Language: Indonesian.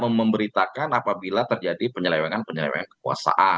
memberitakan apabila terjadi penyelewengan penyelewengan kekuasaan